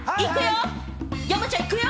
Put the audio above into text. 山ちゃんいくよ！